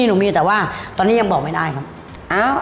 หนูมีแต่ว่าตอนนี้ยังบอกไม่ได้ครับ